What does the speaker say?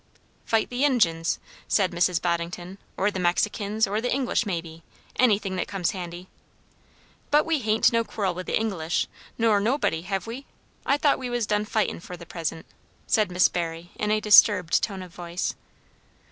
"Fight the Injuns," said Mrs. Boddington; "or the Mexicans; or the English may be; anything that comes handy." "But we hain't no quarrel with the English, nor nobody, hev' we? I thought we was done fightin' for the present," said Miss Barry in a disturbed tone of voice.